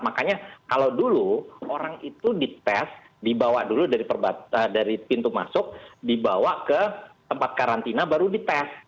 makanya kalau dulu orang itu dites dibawa dulu dari pintu masuk dibawa ke tempat karantina baru dites